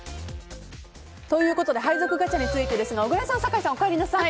配属ガチャについてですが小倉さん、酒井さんおかえりなさい。